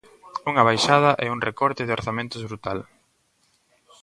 Unha baixada e un recorte de orzamentos brutal.